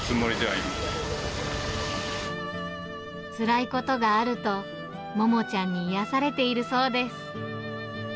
つらいことがあると、モモちゃんに癒やされているそうです。